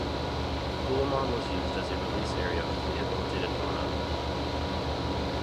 Coolamon was used as a release area for rehabilitated fauna.